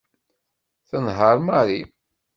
Tenheṛ Mary.